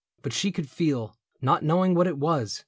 But she could feel — not knowing what it was.